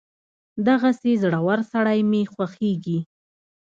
دغسې زړور سړی مې خوښېږي.